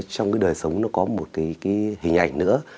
trong cái đời sống nó có một cái hình ảnh nữa